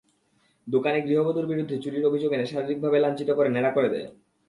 দোকানি গৃহবধূর বিরুদ্ধে চুরির অভিযোগ এনে শারীরিকভাবে লাঞ্ছিত করে ন্যাড়া করে দেয়।